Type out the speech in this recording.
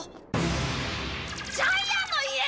ジャイアンの家！？